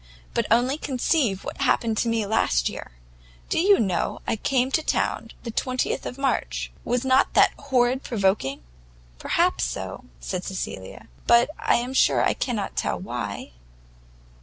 But only conceive what happened to me last year! Do you know I came to town the twentieth of March! was not that horrid provoking?" "Perhaps so," said Cecilia, "but I am sure I cannot tell why."